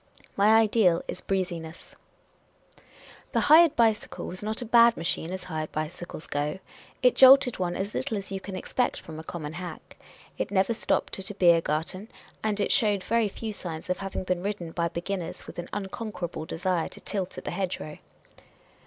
My ideal is breeziness. The Inquisitive American 65 The hired bicycle was not a bad machine, as hired bicycles go ; it jolted one as little as you can expect from a common hack ; it never stopped at a bier garten ; and it showed very few signs of having been ridden by beginners with an un conquerable desire to tilt at the hedgerow.